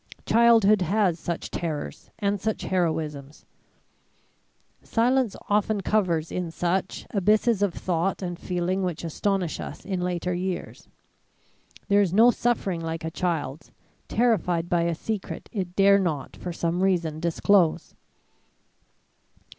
Childhood has such terrors and such heroisms. Silence often covers in such, abysses of thought and feeling which astonish us in later years. There is no suffering like a child's, terrified by a secret it dare not for some reason disclose.